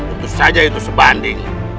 itu saja itu sebanding